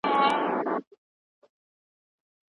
ساینس پوهانو نوي کهکشانونه کشف کړي دي.